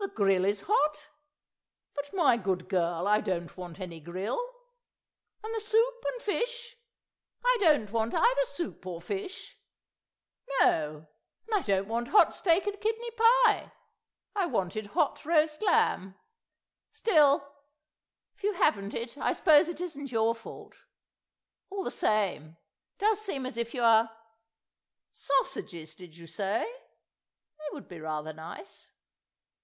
The grill is hot? But, my good girl, I don't want any grill. ... And the soup and fish? I don't want either soup or fish. ... No, and I don't want hot steak and kidney pie. I wanted hot roast lamb. Still, if you haven't it, I suppose it isn't your fault. All the same, it does seem as if you are—— .... Sausages, did you say? They would be rather nice.